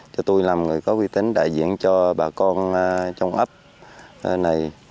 cho tôi làm người có uy tín đại diện cho bà con trong ấp này